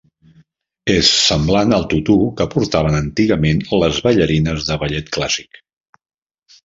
És semblant al tutú que portaven antigament les ballarines de ballet clàssic.